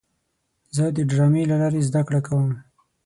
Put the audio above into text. زه د ډرامې له لارې زده کړه کوم.